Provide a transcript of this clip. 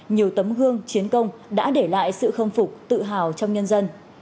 nhiều tấm gương chiến công đã để lại sự khâm phục tự hào trong nhân dân